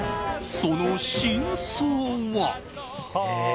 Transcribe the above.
その真相は。